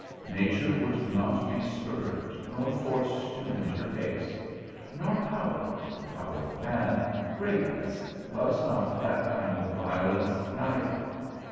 Nature would not be spurred, nor forced to mend her pace; nor power, the power of man, greatness, loves not that kind of violence neither.